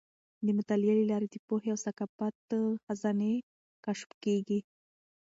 د مطالعې له لارې د پوهې او ثقافت خزانې کشف کیږي.